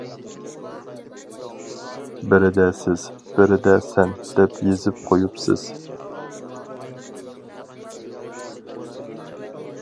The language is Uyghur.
بىرىدە سىز، بىرىدە سەن-دەپ يېزىپ قويۇپسىز.